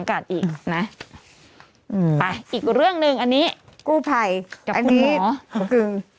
ไปอีกเรื่องหนึ่งอันนี้กู้ภัยกับคุณหมอกึ่ง